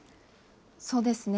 そうですね。